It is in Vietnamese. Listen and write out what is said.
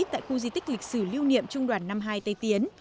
tại khu di tích lịch sử lưu niệm trung đoàn năm mươi hai tây tiến